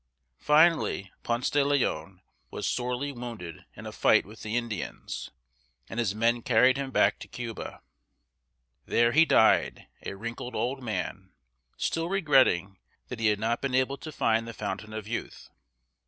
Finally Ponce de Leon was sorely wounded in a fight with the Indians, and his men carried him back to Cuba. There he died, a wrinkled old man, still regretting that he had not been able to find the Fountain of Youth.